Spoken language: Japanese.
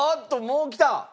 もうきた！